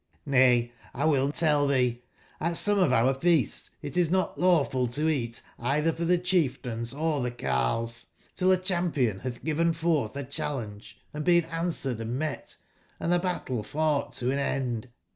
J^ay,l will tell tbee; at some of our feasts it is not lawful to eat eitber for tbe cbief tains or tbe carles, till a cbampion batb given fortb a cballenge, and been answered and , met, & tbe battle fougbt to an end.